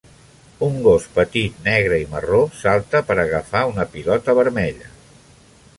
Un gos petit negre i marró salta per agafar una pilota vermella.